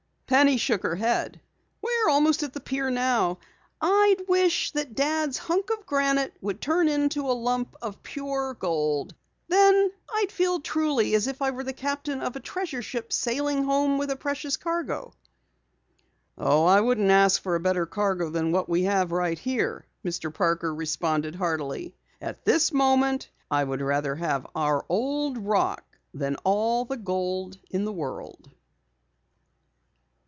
Penny shook her head. "We're almost at the pier now. I'd wish that Dad's hunk of granite would turn into a lump of pure gold. Then I'd truly feel as if I were the captain of a treasure ship sailing home with precious cargo." "Oh, I wouldn't ask for a better cargo than we have right here," Mr. Parker responded heartily. "At this moment I would rather have our old rock than all the gold in the world!"